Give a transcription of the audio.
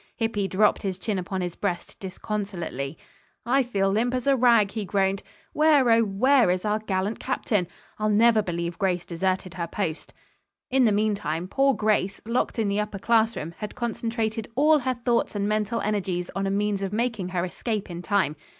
Hippy dropped his chin upon his breast disconsolately. "I feel limp as a rag," he groaned. "Where, oh, where, is our gallant captain? I'll never believe Grace deserted her post." In the meantime poor Grace, locked in the upper classroom, had concentrated all her thoughts and mental energies on a means of making her escape in time.